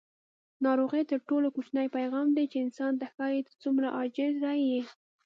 ناروغي تر ټولو کوچنی پیغام دی چې انسان ته ښایي: ته څومره عاجزه یې.